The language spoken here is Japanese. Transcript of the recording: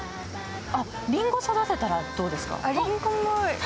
りんご育てたらどうですか？